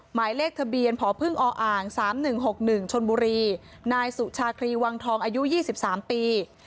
หมายเลขทะเบียนพพ๓๑๖๑ชนบุรีนายสุชาครีวังทองอายุ๒๓ปี